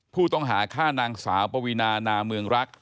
ผู้ต้องหาฆ่านางสาวปวีนานาเมืองรัก